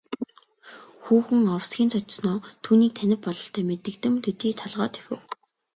Хүүхэн овсхийн цочсоноо түүнийг танив бололтой мэдэгдэм төдий толгой дохив.